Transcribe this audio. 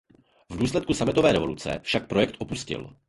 V důsledku sametové revoluce však projekt opustil.